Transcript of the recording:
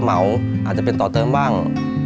เรามัวอาจจะเป็นตอตเติมว่าง